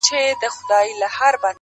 داسي قبـاله مي په وجـود كي ده _